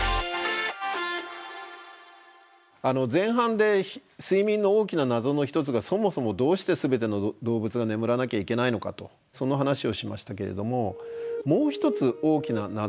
前半で睡眠の大きな謎の一つがそもそもどうして全ての動物が眠らなきゃいけないのかとその話をしましたけれどももう一つ大きな謎があるんですね。